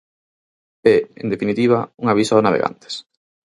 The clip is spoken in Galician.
É, en definitiva, un aviso a navegantes.